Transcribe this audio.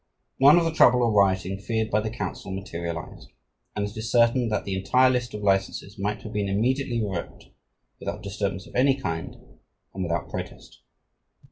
None of the trouble or rioting feared by the Council, materialized, and it is certain that the entire list of licenses might have been immediately revoked without disturbance of any kind and without protest.